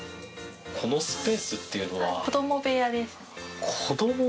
このスペースというのは？